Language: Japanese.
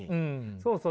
そうそう。